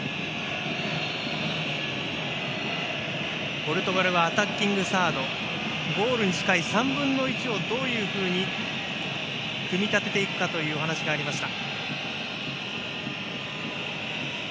ポルトガルはアタッキングサードゴールに近い３分の１をどういうふうに組み立てていくかというお話がありました。